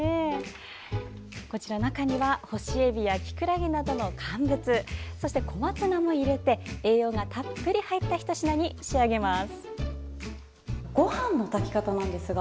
中には干しえびやきくらげなどの乾物そして小松菜も入れて栄養がたっぷり入ったひと品に仕上げます。